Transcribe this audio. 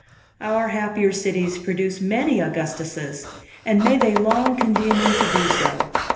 Our happier cities produce many Augustuses, and may they long continue to do so!